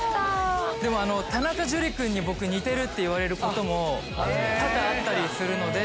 でも田中樹君に僕似てるって言われることも多々あったりするので。